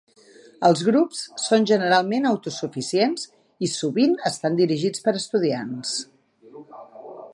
Els grups són generalment autosuficients i sovint estan dirigits per estudiants.